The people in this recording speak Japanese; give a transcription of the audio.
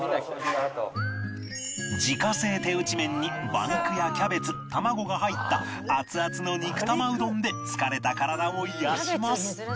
自家製手打ち麺に馬肉やキャベツ卵が入ったアツアツの肉玉うどんで疲れた体を癒やします